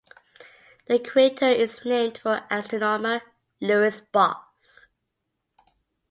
The crater is named for astronomer Lewis Boss.